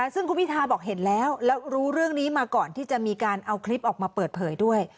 ซึ่งคุณพิทาบอกเห็นแล้วแล้วรู้เรื่องนี้มาก่อนที่จะมีการเอาคลิปออกมาเปิดเผยด้วย